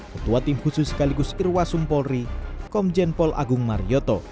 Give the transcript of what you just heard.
ketua tim khusus sekaligus irwasum polri komjen pol agung marioto